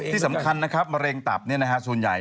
ที่สำคัญนะครับมะเร็งตับเนี่ยนะฮะ